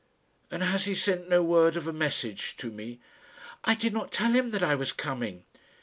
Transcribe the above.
"And has he sent no word of a message to me?" "I did not tell him that I was coming."